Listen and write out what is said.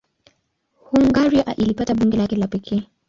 Hungaria ilipata bunge lake la pekee.